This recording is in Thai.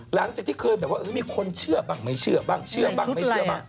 หลังจากที่เคยแบบว่ามีคนเชื่อบ้างไม่เชื่อบ้างเชื่อบ้างไม่เชื่อบ้าง